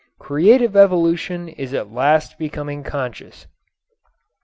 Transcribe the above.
Creative evolution is at last becoming conscious.